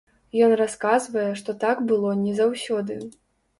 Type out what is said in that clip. Ён расказвае, што так было не заўсёды.